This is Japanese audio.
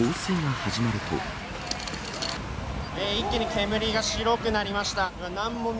一気に煙が白くなりました。